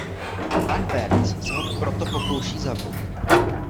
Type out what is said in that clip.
Pan Burns se ho proto pokouší zabít.